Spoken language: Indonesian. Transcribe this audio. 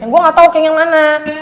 gue gak tau king yang mana